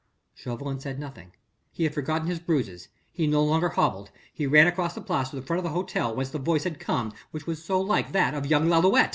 Chauvelin said nothing. He had forgotten his bruises: he no longer hobbled he ran across the Place to the front of the hotel whence the voice had come which was so like that of young Lalouët.